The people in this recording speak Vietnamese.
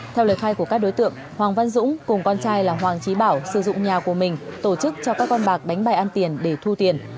theo lời khai của các đối tượng hoàng văn dũng cùng con trai là hoàng trí bảo sử dụng nhà của mình tổ chức cho các con bạc đánh bài ăn tiền để thu tiền